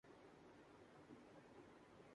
ایک بچہ گُم ہو گیا ہے۔